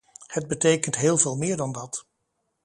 Het betekent heel veel meer dan dat.